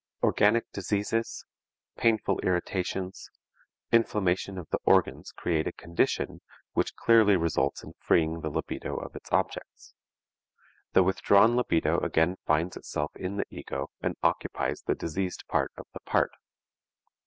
Organic diseases, painful irritations, inflammation of the organs create a condition which clearly results in freeing the libido of its objects. The withdrawn libido again finds itself in the ego and occupies the diseased part of the part.